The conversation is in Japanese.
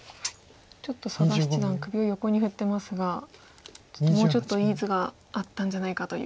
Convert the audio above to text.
ちょっと佐田七段首を横に振ってますがちょっともうちょっといい図があったんじゃないかという。